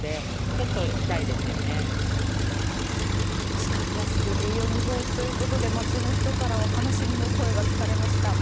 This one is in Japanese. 使いやすく栄養も豊富ということで街の人からは悲しみの声が聞かれました。